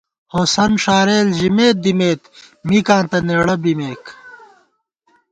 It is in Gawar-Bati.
ہوسند ݭارېل ژِمېتدِمېت مِکاں تہ نېڑہ بِمېک